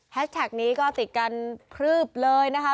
แท็กนี้ก็ติดกันพลืบเลยนะคะ